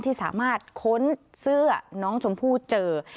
ที่สามารถค้นเสื้อน้องชมพู่เจอ